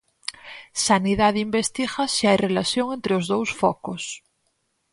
Sanidade investiga se hai relación entre os dous focos.